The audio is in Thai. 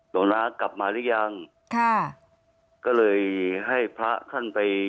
ดวงนากลับมารึยังก็เลยให้พระท่านไป